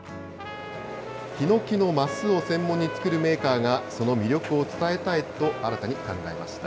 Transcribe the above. ヒノキの升を専門に作るメーカーが、その魅力を伝えたいと、新たに考えました。